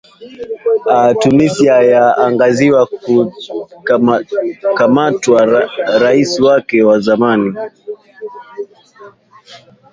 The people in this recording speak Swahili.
a tunisia ya agizwa kukamatwa rais wake wa zamani ben ali